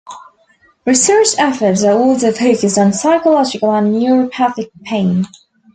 Research efforts are also focused on physiological and neuropathic pain.